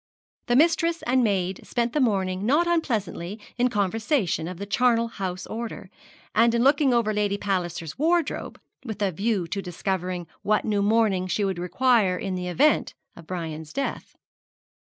The mistress and maid spent the morning not unpleasantly in conversation of the charnel house order, and in looking over Lady Palliser's wardrobe, with a view to discovering what new mourning she would require in the event of Brian's death.